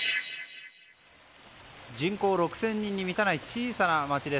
人口６０００人に満たない小さな町です